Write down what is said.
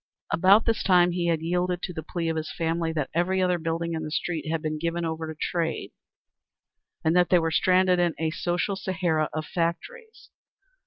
About this time he had yielded to the plea of his family, that every other building in the street had been given over to trade, and that they were stranded in a social Sahara of factories.